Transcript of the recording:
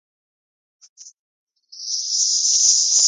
札幌・台北線開設